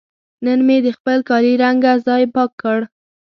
نن مې د خپل کالي رنګه ځای پاک کړ.